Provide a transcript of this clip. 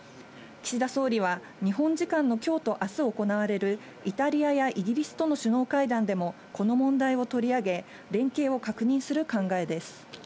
岸田総理は、日本時間のきょうとあす行われるイタリアやイギリスとの首脳会談でも、この問題を取り上げ、連携を確認する考えです。